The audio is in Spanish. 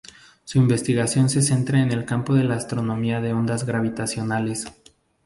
Su investigación se centra en el campo de la astronomía de ondas gravitacionales.